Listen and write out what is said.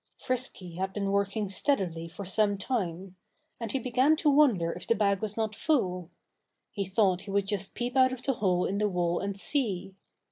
Frisky had been working steadily for some time. And he began to wonder if the bag was not full. He thought he would just peep out of the hole in the wall and see.